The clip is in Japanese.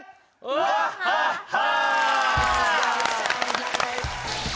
ワッハッハ！